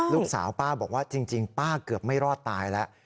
ลูกสาวป้าบอกว่าจริงป้าเกือบไม่รอดตายแล้ว